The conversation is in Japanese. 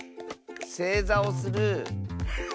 せいざをする。